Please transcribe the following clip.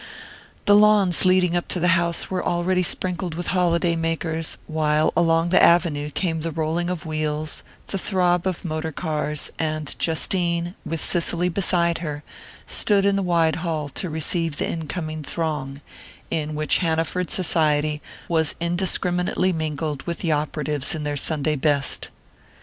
_"The lawns leading up to the house were already sprinkled with holiday makers, while along the avenue came the rolling of wheels, the throb of motor cars; and Justine, with Cicely beside her, stood in the wide hall to receive the incoming throng, in which Hanaford society was indiscriminately mingled with the operatives in their Sunday best.